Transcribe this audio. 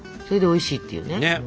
それでおいしいっていうね。ね。